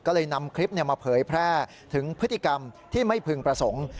ก็เลยนำคลิปมาเผยแพร่ถึงพฤติกรรมที่ไม่พึงประสงค์